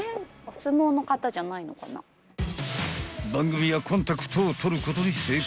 ［番組はコンタクトを取ることに成功］